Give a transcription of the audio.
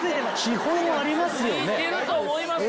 付いてると思いますよ。